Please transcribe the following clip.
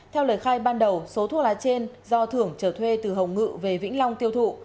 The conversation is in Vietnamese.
theo lời khai ban đầu số thuốc lá trên do thưởng trở thuê từ hồng ngự về vĩnh long tiêu thụ